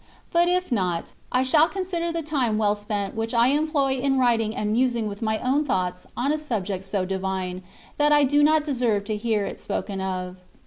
But if not, I shall consider the time well spent which I employ in writing and musing with my own thoughts on a subject so divine, that I do not deserve to hear it spoken of.